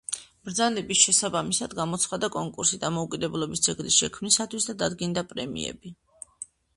ბრძანების შესაბამისად, გამოცხადდა კონკურსი დამოუკიდებლობის ძეგლის შექმნისთვის და დადგინდა პრემიები.